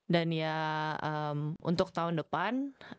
dan ya untuk tahun depan